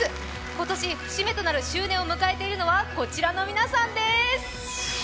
今年節目となる周年を迎えているのは、こちらの皆さんです。